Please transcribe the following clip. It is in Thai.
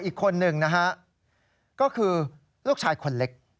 อีกคนนึงนะฮะก็คือลูกชายคนเล็ก